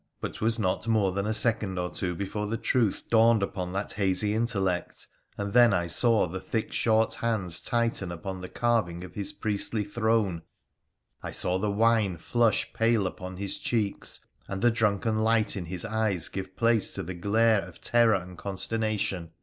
But 'twas not more than a second or two before the truth dawned upon that hazy intellect, and then I saw the thick short hands tighten upon the carving of his priestly throne, I saw the wine flush pale upon his cheeks, and the drunken fight in his eyes give place to the glare of terror and consternation.